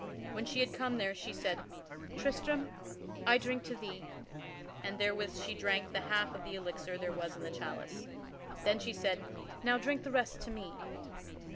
When she had come there, she said, "Tristram, I drink to thee," and therewith she drank the half of the elixir there Was in the chalice. Then she said, "Now drink thou the rest to me."